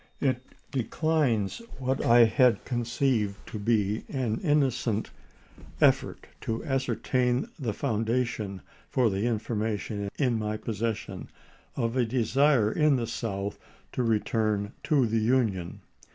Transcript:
"It declines what I had conceived to be an innocent effort to ascertain the foundation for information in my possession of a desire in the South to return to the Union.